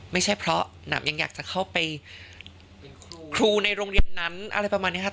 ไม่ใช่เพราะหนำยังอยากจะเข้าไปครูในโรงเรียนนั้นอะไรประมาณนี้ครับ